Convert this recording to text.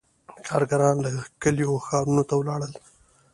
• کارګران له کلیو ښارونو ته ولاړل.